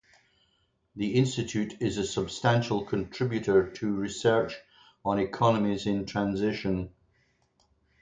The Institute is a substantial contributor to research on economies in transition.